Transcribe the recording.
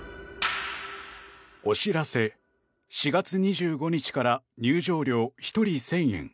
お知らせ４月２５日から入場料、１人１０００円。